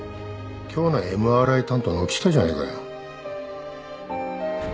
今日のＭＲＩ担当軒下じゃねえかよ。